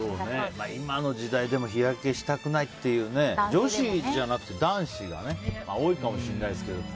今の時代でも日焼けしたくないっていうね女子じゃなくて、男子がね多いかもしれないですけどね。